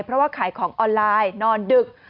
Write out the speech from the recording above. เพราะว่าขายของออนไลน์นอนดึก